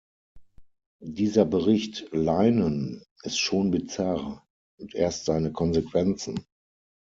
Dieser Bericht Leinen ist schon bizarr, und erst seine Konsequenzen.